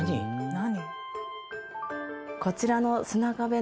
「何？」